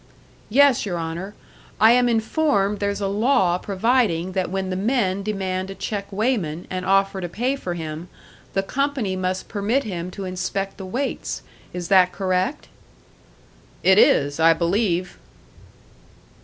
"Yes, your Honour. I am informed there's a law providing that when the men demand a check weighman, and offer to pay for him, the company must permit him to inspect the weights. Is that correct?" "It is, I believe."